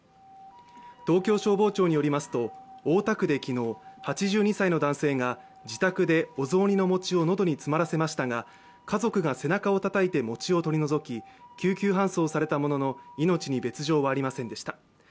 東京消防庁によりますと、大田区で昨日、８２歳の男性が自宅でお雑煮の餅を喉に詰まらせましたが家族が背中をたたいて餅を取り除き、救急搬送されたものの命に別状はありませんでした。